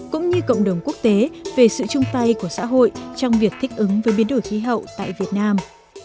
cũng như cộng đồng quốc tế về sự chung tay của xã hội trong việc thích ứng với biến đổi khí hậu tại việt nam